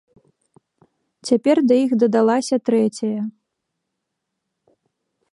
Цяпер да іх дадалася трэцяя.